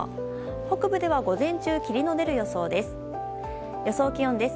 北部では午前中霧の出る予想です。